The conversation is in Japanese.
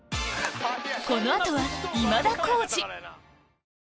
この後は今田耕司！